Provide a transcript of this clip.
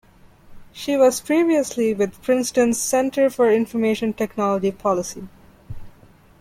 She was previously with Princeton's Center for Information Technology Policy.